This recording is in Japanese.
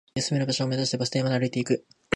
休める場所を目指して、バス停まで歩いていく